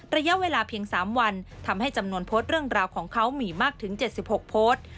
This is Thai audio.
ระยะเวลาเพียง๓วันทำให้จำนวนโพสต์เรื่องราวของเขามีมากถึง๗๖โพสต์